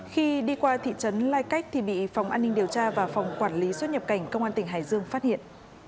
khi đi qua thị trấn lai cách thì bị phòng an ninh điều tra và phòng quản lý xuất nhập cảnh công an tỉnh hải dương phát hiện